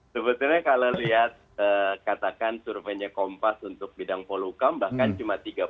sebetulnya kalau lihat katakan surveinya kompas untuk bidang polukam bahkan cuma tiga puluh